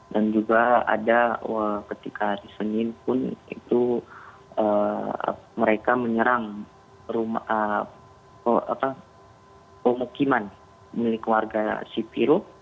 dan juga ada ketika di senin pun itu mereka menyerang pemukiman milik warga sipiro